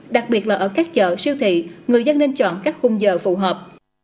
đặc biệt là ở các chợ siêu thị người dân nên chọn các khung giờ phù hợp